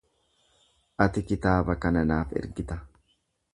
Ati kitaaba kana naaf ergita?